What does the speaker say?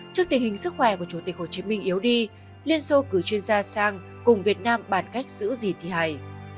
trước tình hình sức khỏe của chủ tịch hồ chí minh yếu đi liên xô cử chuyên gia sang cùng việt nam bàn cách giữ gì thi hài